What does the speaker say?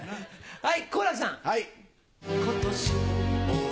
はい。